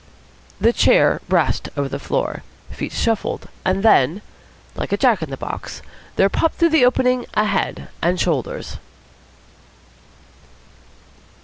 The chair rasped over the floor. Feet shuffled. And then, like a jack in the box, there popped through the opening a head and shoulders.